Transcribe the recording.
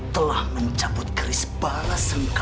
telah mencabut keris balas